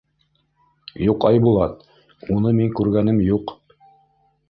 — Юҡ, Айбулат, уны мин күргәнем юҡ.